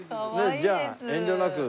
じゃあ遠慮なく。